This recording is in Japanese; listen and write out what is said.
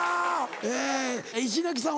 え石垣さん